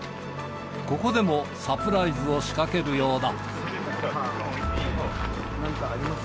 ここでもサプライズを仕掛けるようだ。